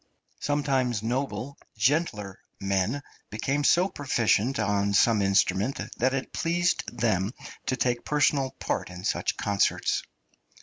Sometimes noble gentler men became so proficient on some instrument that it pleased them to take personal part in such concerts.